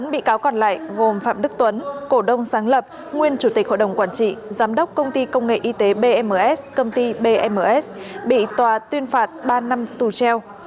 bốn bị cáo còn lại gồm phạm đức tuấn cổ đông sáng lập nguyên chủ tịch hội đồng quản trị giám đốc công ty công nghệ y tế bms công ty bms bị tòa tuyên phạt ba năm tù treo